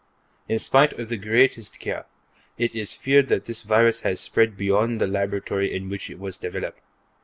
In spite of the greatest care, it is feared that this virus has spread beyond the laboratory in which it was developed.